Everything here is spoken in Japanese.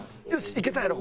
いけたやろ？